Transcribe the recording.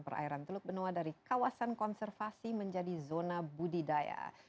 perairan teluk benoa dari kawasan konservasi menjadi zona budidaya